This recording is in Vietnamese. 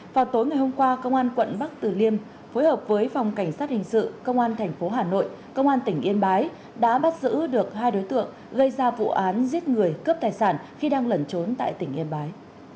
vào tối ngày hôm qua công an quận bắc tử liêm phối hợp với phòng cảnh sát hình sự công an tp hà nội công an tỉnh yên bái đã bắt giữ được hai đối tượng gây ra vụ án giết người cướp tài sản khi đang lẩn trốn tại tỉnh yên bái